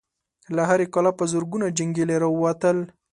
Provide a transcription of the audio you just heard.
له هرې کلا په زرګونو جنګيالي را ووتل.